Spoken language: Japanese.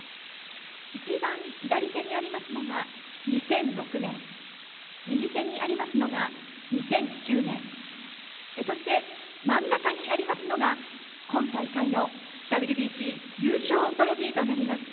一番左手にありますのが２００６年、右手にありますのが２００９年、そして、真ん中にありますのが今大会のＷＢＣ優勝トロフィーとなります。